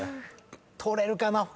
取れるかな？